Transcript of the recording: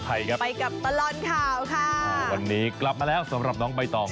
ไปกับตลอดข่าวค่ะวันนี้กลับมาสำหรับน้องใบตรอง